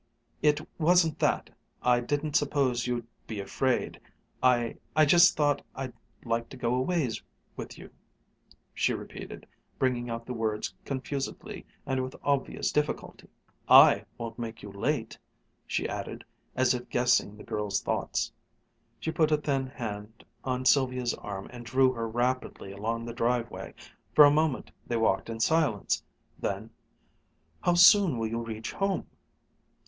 "It wasn't that I didn't suppose you'd be afraid I I just thought I'd like to go a ways with you," she repeated, bringing out the words confusedly and with obvious difficulty. "I won't make you late," she added, as if guessing the girl's thoughts. She put a thin hand on Sylvia's arm and drew her rapidly along the driveway. For a moment they walked in silence. Then, "How soon will you reach home?"